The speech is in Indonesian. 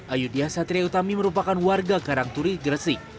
ayudhya satri utami merupakan warga karangturi gresik